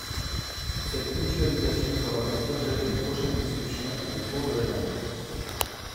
Cette mutualisation fera donc l’objet d’une prochaine discussion au cours de la navette.